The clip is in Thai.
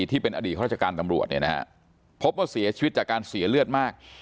ที่เป็นอดีตข้าราชการตำรวจเนี่ยนะฮะพบว่าเสียชีวิตจากการเสียเลือดมาก